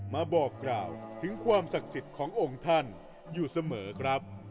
มาบอกกล่าวถึงความศักดิ์สิทธิ์ขององค์ท่านอยู่เสมอครับ